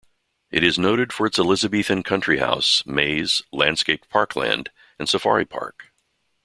It is noted for its Elizabethan country house, maze, landscaped parkland and safari park.